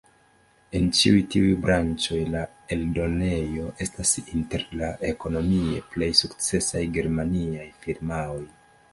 En ĉiuj tiuj branĉoj, la eldonejo estas inter la ekonomie plej sukcesaj germaniaj firmaoj.